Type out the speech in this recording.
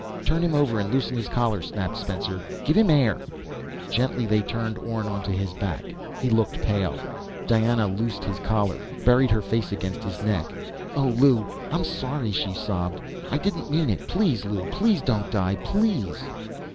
"Turn him over and loosen his collar!" snapped Spencer. "Give him air!" Gently, they turned Orne onto his back. He looked pale, Diana loosed his collar, buried her face against his neck. "Oh, Lew, I'm sorry," she sobbed. "I didn't mean it! Please, Lew ... please don't die! Please!"